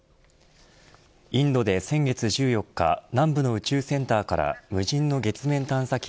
インドで、先月１４日南部の宇宙センターから無人の月面探査機